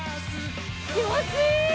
気持ちいい！